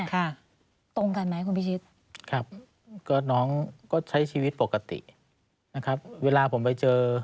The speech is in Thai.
ค่ะตรงกันไหมคุณพิชิตครับก็น้องก็ใช้ชีวิตปกตินะครับเวลาผมไปเจอ